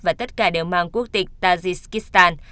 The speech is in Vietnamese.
và tất cả đều mang quốc tịch tajikistan